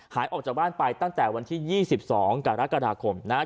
หายออกจากบ้านไปตั้งแต่วันที่๒๒กรกฎาคมนะครับ